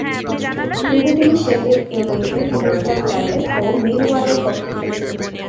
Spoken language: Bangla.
পূর্বে তিনি শেফিল্ড ইউনাইটেড, ক্রিস্টাল প্যালেস ও মিলওয়ালের পক্ষে খেলেছেন।